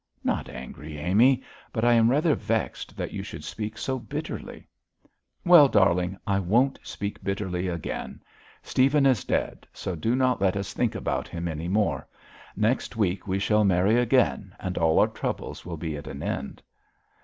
'Not angry, Amy; but I am rather vexed that you should speak so bitterly.' 'Well, darling, I won't speak bitterly again. Stephen is dead, so do not let us think about him any more. Next week we shall marry again, and all our troubles will be at an end.'